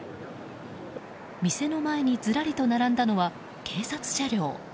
店の前にずらりと並んだのは警察車両。